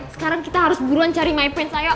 sekarang kita harus buruan cari my prince ayo